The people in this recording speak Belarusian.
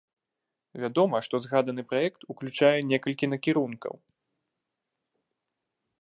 Вядома, што згаданы праект уключае некалькі накірункаў.